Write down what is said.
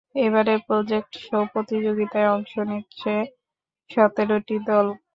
এবারের project show প্রতিযোগিতায় অংশ নিচ্ছে সতেরোটি দল।